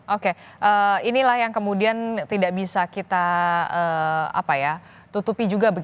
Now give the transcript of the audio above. oke inilah yang kemudian tidak bisa kita tutupi juga